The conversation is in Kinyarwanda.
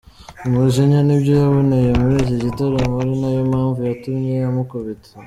umujinya nibyo yaboneye muri iki gitaramo ari nayo mpamvu yatumye amukubita.